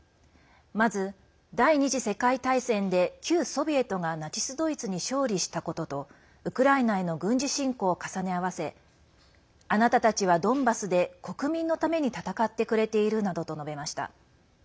まず、第２次世界大戦で旧ソビエトがナチス・ドイツに勝利したこととウクライナへの軍事侵攻を重ね合わせあなたたちはドンバスで国民のために戦ってくれているなどと述べました。